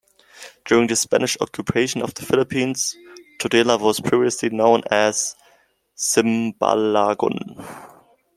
During the Spanish occupation of the Philippines, Tudela was previously known as Simbalagon.